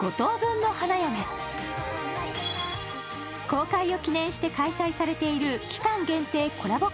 公開を記念して開催されている期間限定コラボ